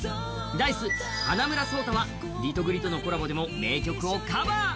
Ｄａ−ｉＣＥ、花村想太はリトグリとのコラボでも名曲をカバー。